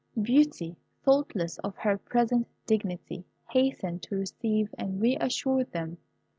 Beauty, thoughtless of her present dignity, hastened to receive and re assure them.